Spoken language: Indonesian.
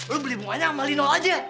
lu beli bunganya sama lino aja